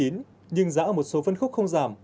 nhưng giá ở một số phân khúc không giảm